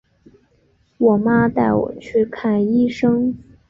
我妈带我去看医生